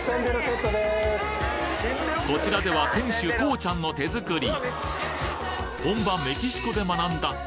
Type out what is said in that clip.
こちらでは店主こうちゃんの手作り！